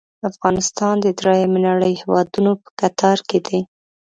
افغانستان د دریمې نړۍ هیوادونو په کتار کې دی.